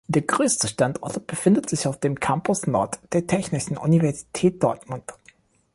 Der größte Standort befindet sich auf dem Campus Nord der Technischen Universität Dortmund.